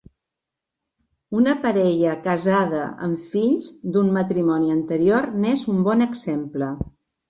Una parella casada amb fills d'un matrimoni anterior n'és un bon exemple.